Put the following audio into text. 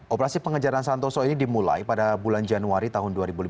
operasi pengejaran santoso ini dimulai pada bulan januari tahun dua ribu lima belas